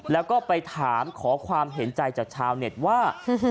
แล้วก็ไปถามขอความเห็นใจจากชาวเน็ตว่า